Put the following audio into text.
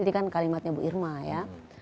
jadi kan kalimatnya bu irma ya